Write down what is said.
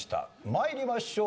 参りましょう。